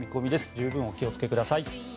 十分お気をつけください。